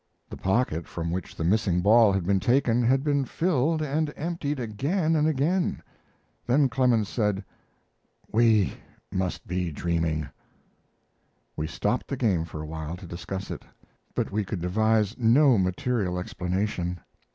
The pocket from which the missing ball had been taken had been filled and emptied again and again. Then Clemens said: "We must be dreaming." We stopped the game for a while to discuss it, but we could devise no material explanation.